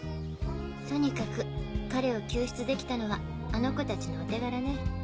とにかく彼を救出できたのはあの子たちのお手柄ね。